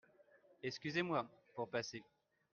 Excusez-moi ! (pour passer).